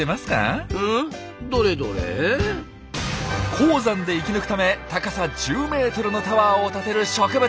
高山で生き抜くため高さ１０ｍのタワーを立てる植物！